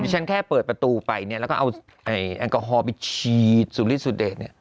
ฉันแค่เปิดประตูไปเนี่ยแล้วก็เอาแอลกอฮอล์ไปฉีดสุริสุเดชเนี่ย